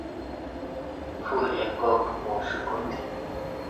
ফুল একক ও সুগন্ধি।